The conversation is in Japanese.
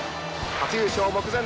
初優勝目前。